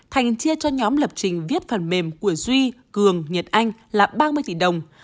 thành chia cho nhóm lập trình viết phần mềm của duy cường nhật anh là ba mươi tỷ đồng